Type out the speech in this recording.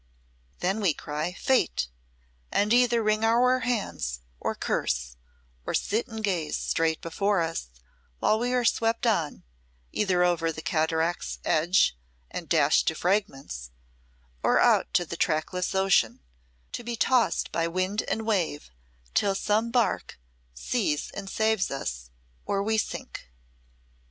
Then we cry "Fate!" and either wring our hands, or curse, or sit and gaze straight before us, while we are swept on either over the cataract's edge and dashed to fragments, or out to the trackless ocean, to be tossed by wind and wave till some bark sees and saves us or we sink.